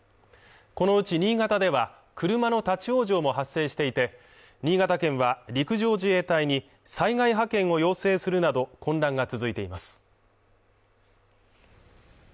このうち新潟では車の立往生も発生していて新潟県は陸上自衛隊に災害派遣を要請するなど混乱が続いています